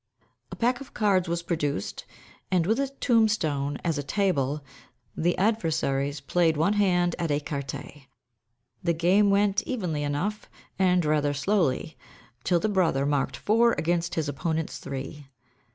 A pack of cards was produced, and, with a tombstone as a table, the adversaries played one hand at écarté. The game went evenly enough, and rather slowly, till the brother marked four against his opponent's three.